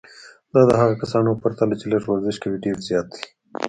دا د هغو کسانو په پرتله چې لږ ورزش کوي ډېر زیات دی.